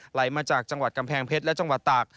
ไหลมาจากจังหวัดกำแพงเพชรและจังหวัดตาก